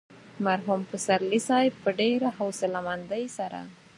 مرحوم پسرلي صاحب په ډېره حوصله مندۍ سره.